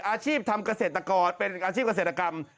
อาชีพทำเกษตรกรเป็นอาชีพเกษตรกรรม